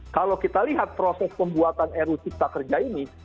kalau kita lihat proses pembuatan ru cipta kerja ini